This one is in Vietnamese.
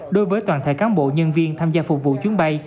đối với toàn thể cán bộ nhân viên tham gia phục vụ chuyến bay